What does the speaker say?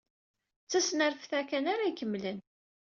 D tasnareft-a kan ara ikemmlen.